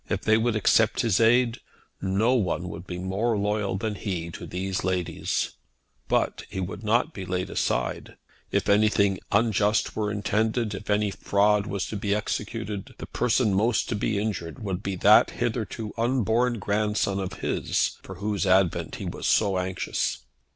If they would accept his aid, no one would be more loyal than he to these ladies. But he would not be laid aside. If anything unjust were intended, if any fraud was to be executed, the person most to be injured would be that hitherto unborn grandson of his for whose advent he was so anxious.